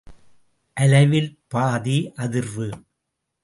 அலைவில் பாதி அதிர்வு.